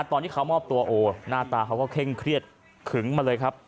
ตอนที่เขามอบตัวโอ้หน้าตาเขาก็เคร่งเครียดขึงมาเลยครับ